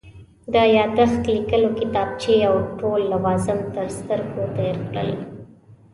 د یادښت لیکلو کتابچې او ټول لوازم تر سترګو تېر کړل.